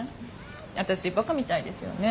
私バカみたいですよね。